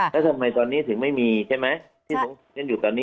แล้วทำไมตอนนี้ถึงไม่มีใช่ไหม